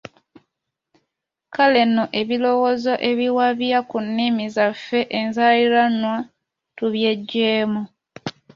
Kale nno ebirowoozo ebiwabya ku nnimi zaffe enzaaliranwa tubyeggyemu.